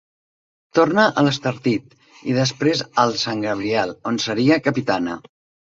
Torna a l'Estartit, i després al Sant Gabriel, on seria capitana.